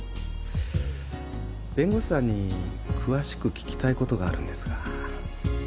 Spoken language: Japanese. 弁護士さんに詳しく聞きたいことがあるんですが。